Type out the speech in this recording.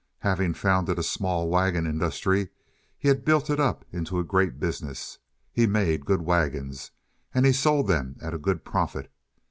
Having founded a small wagon industry, he had built it up into a great business; he made good wagons, and he sold them at a good profit.